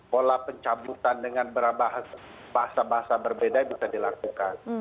pola pencabutan dengan bahasa bahasa berbeda bisa dilakukan